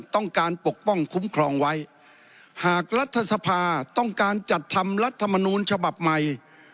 ต้องการปกป้องคุ้มครองไว้หากรัฐสภาต้องการจัดทำรัฐมนูลฉบับใหม่